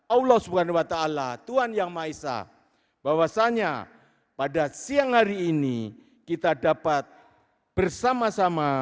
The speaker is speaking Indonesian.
allah subhanahu wa ta'ala tuhan yang maha esa bahwasanya pada siang hari ini kita dapat bersama sama